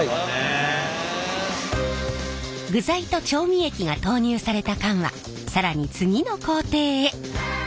具材と調味液が投入された缶は更に次の工程へ。